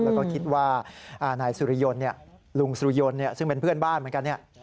แล้วก็คิดว่านายสุริยนต์ลุงสุยนต์ซึ่งเป็นเพื่อนบ้านเหมือนกัน